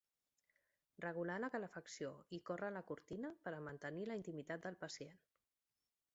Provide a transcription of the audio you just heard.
Regular la calefacció i córrer la cortina per a mantenir la intimitat del pacient.